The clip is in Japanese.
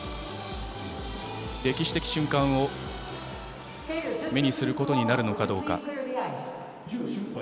歴史的瞬間を目にすることになるのかどうか。